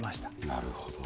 なるほど。